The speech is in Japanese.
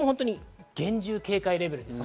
厳重警戒レベルです。